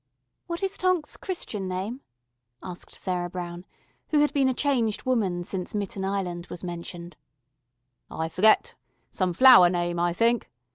"What is Tonk's Christian name?" asked Sarah Brown, who had been a changed woman since Mitten Island was mentioned. "I forget. Some flower name, I think.